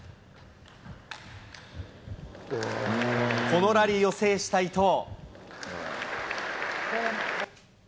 このラリーを制した伊藤。